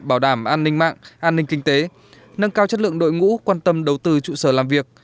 bảo đảm an ninh mạng an ninh kinh tế nâng cao chất lượng đội ngũ quan tâm đầu tư trụ sở làm việc